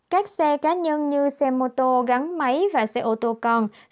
các xe cá nhân như xe mô tô gắn máy và xe ô tô còn